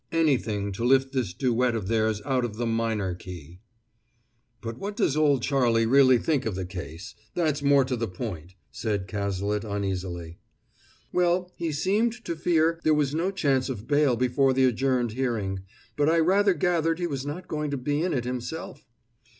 Anything to lift this duet of theirs out of the minor key! "But what does old Charlie really think of the case? That's more to the point," said Cazalet uneasily. "Well, he seemed to fear there was no chance of bail before the adjourned hearing. But I rather gathered he was not going to be in it himself?"